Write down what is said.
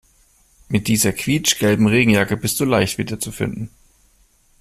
Mit dieser quietschgelben Regenjacke bist du leicht wiederzufinden.